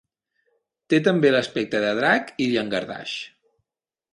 Té també l'aspecte de drac i llangardaix.